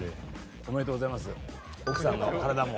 おめでとうございます。